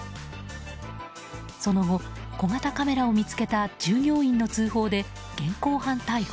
その後、小型カメラを見つけた従業員の通報で現行犯逮捕。